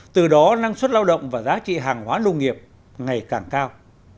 từ đó năng suất lao động và giá trị hàng hóa nông nghiệp ngày càng cao